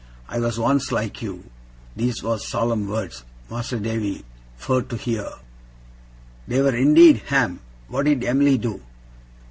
I was once like you!" Those was solemn words, Mas'r Davy, fur to hear!' 'They were indeed, Ham. What did Em'ly do?